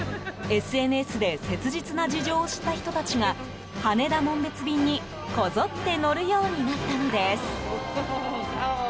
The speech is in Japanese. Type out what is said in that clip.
ＳＮＳで切実な事情を知った人たちが羽田紋別便にこぞって乗るようになったのです。